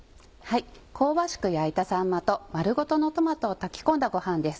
香ばしく焼いたさんまと丸ごとのトマトを炊き込んだごはんです。